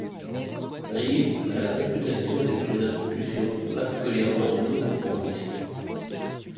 Reed a la réputation d'être une institution particulièrement non conformiste.